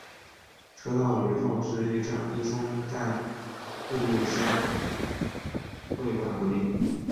车站与道之驿松代故乡会馆合并。